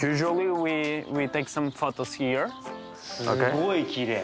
すごいきれい。